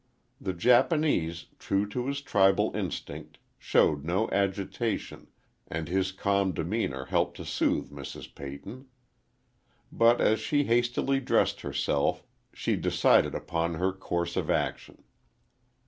The Japanese, true to his tribal instinct, showed no agitation, and his calm demeanor helped to soothe Mrs. Peyton. But as she hastily dressed herself, she decided upon her course of action.